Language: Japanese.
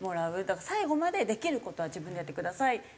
だから最後までできる事は自分でやってください。